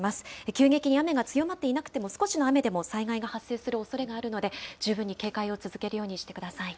急激に雨が強まっていなくても、少しの雨でも災害が発生するおそれがあるので、十分に警戒を続けるようにしてください。